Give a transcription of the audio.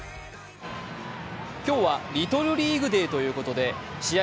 今日はリトルリーグデーということで、試合